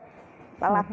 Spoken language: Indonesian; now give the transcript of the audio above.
nah ini bisa diperhatikan ya